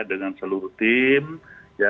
dengan seluruh tim ya